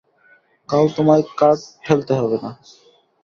কাল তোমায় কার্ট ঠেলতে হবে না।